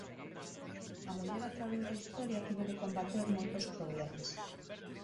A muller a través da historia tivo que combater moitos problemas.